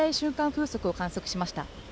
風速を観測しました